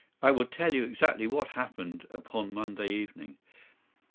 I will tell you exactly what happened upon Monday evening.